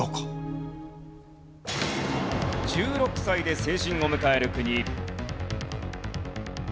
１６歳で成人を迎える国。